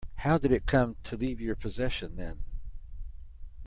How did it come to leave your possession then?